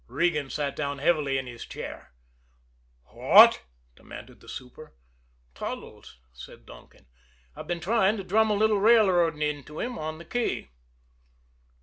Regan sat down heavily in his chair. "What?" demanded the super. "Toddles," said Donkin. "I've been trying to drum a little railroading into him on the key."